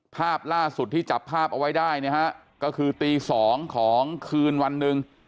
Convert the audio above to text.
ภาพล่าสุดที่จับภาพเอาไว้ได้นะฮะก็คือตีสองของคืนวันหนึ่ง